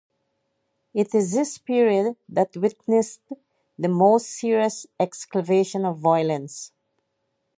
It is this period that witnessed the most serious escalation of violence.